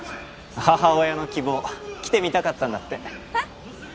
母親の希望来てみたかったんだってへっ？